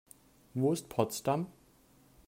Wo ist Potsdam?